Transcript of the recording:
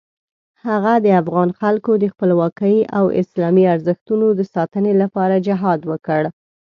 هغه د افغان خلکو د خپلواکۍ او اسلامي ارزښتونو د ساتنې لپاره جهاد وکړ.